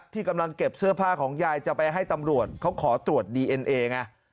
ที่กำลังเก็บเสื้อผ้าของยายจะไปให้ตำรวจเขาขอตรวจดีเอ็นเอไง